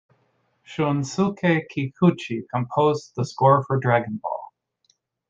Shunsuke Kikuchi composed the score for "Dragon Ball".